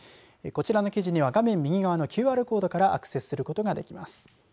こちらの記事は画面右側のＱＲコードからアクセスすることができます。